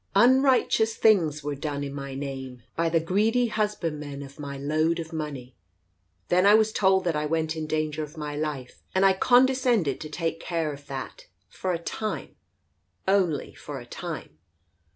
Unrighteous things were done in my name, by the greedy husbandmen of my load of money. Then I was told that I went in danger of my life, and I condescended to take care of that — for a time — only for a time